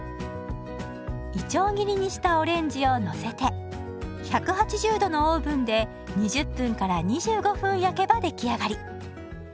いちょう切りにしたオレンジをのせて１８０度のオーブンで２０分２５分焼けば出来上がり。